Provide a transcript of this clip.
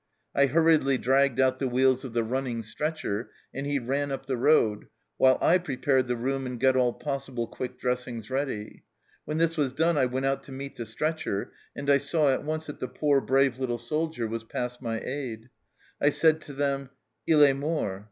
I hurriedly dragged out the wheels of the running stretcher, and he ran up the road, while I prepared the room and got all possible quick dressings ready. When this w r as done I went out to meet the stretcher, and I saw at once that the poor brave little soldier was past my aid. I said to them, ' II est mort.'